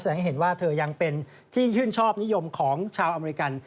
ให้เห็นว่าเธอยังเป็นที่ชื่นชอบนิยมของชาวอเมริกัน